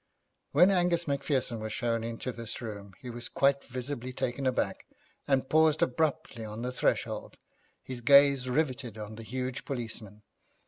When Angus Macpherson was shown into this room he was quite visibly taken aback, and paused abruptly on the threshold, his gaze riveted on the huge policeman.